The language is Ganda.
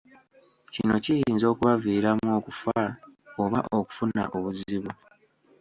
Kino kiyinza okubaviiramu okufa oba okufuna obuzibu.